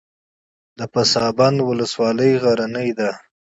د پسابند ولسوالۍ غرنۍ ده